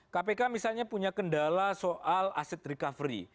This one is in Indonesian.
kpk misalnya punya kendala soal aset recovery